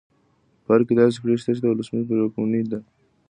په ارګ کې داسې کړۍ شته چې د ولسمشر پرې واکمنه ده.